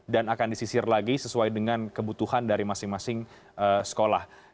dan akan disisir lagi sesuai dengan kebutuhan dari masing masing sekolah